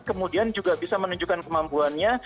kemudian juga bisa menunjukkan kemampuannya